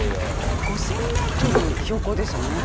５，０００ｍ標高ですよね。